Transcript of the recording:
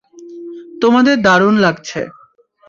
তোমাদের দারুণ লাগছে।